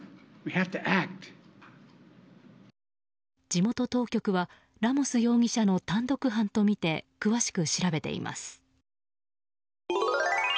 地元当局はラモス容疑者の単独犯とみて詳しく調べています。